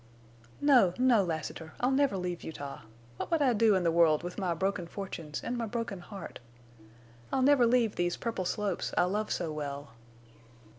"No, no, Lassiter. I'll never leave Utah. What would I do in the world with my broken fortunes and my broken heart? I'll never leave these purple slopes I love so well."